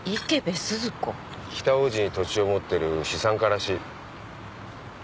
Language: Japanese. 北大路に土地を持ってる資産家らしい。